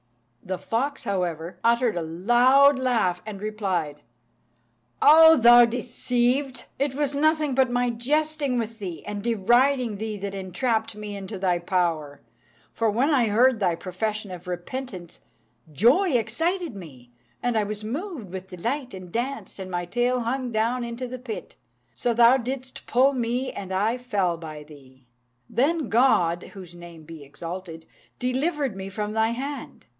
The fox, however, uttered a loud laugh, and replied, "O thou deceived! it was nothing but my jesting with thee and deriding thee that entrapped me into thy power; for when I heard thy profession of repentance, joy excited me, and I was moved with delight, and danced, and my tail hung down into the pit; so thou didst pull me, and I fell by thee. Then God (whose name be exalted!) delivered me from thy hand.